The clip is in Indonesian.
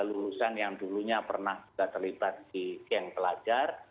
lulusan yang dulunya pernah juga terlibat di geng pelajar